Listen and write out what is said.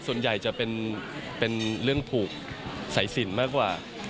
ส่วนใหญ่จะเป็นเรื่องผูกสายสินมากกว่า